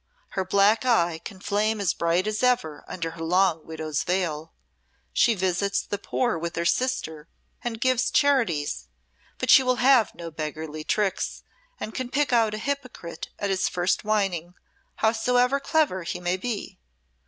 Her black eye can flame as bright as ever under her long widow's veil. She visits the poor with her sister, and gives charities, but she will have no beggarly tricks, and can pick out a hypocrite at his first whining, howsoever clever he may be.